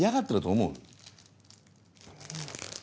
思う！